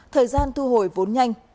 thời gian thu hồi vốn nhanh